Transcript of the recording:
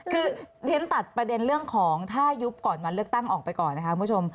คือเรียนตัดประเด็นเรื่องของถ้ายุบก่อนวันเลือกตั้งออกไปก่อนนะคะคุณผู้ชม